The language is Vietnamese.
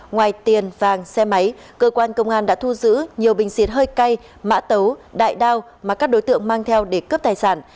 ngoài tiền vàng xe máy cơ quan công an đã thu giữ nhiều bình xịt hơi cay mã tấu đại đao mà các đối tượng mang theo để cướp tài sản